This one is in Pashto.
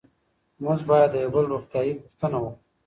موږ باید د یو بل روغتیایي پوښتنه وکړو.